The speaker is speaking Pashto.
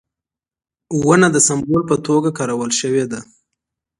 ونه د سمبول په توګه کارول شوې ده.